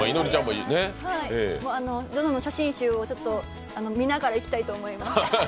ゾノの写真集を見ながら行きたいと思います。